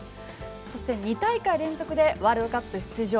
そして、２大会連続でワールドカップ出場。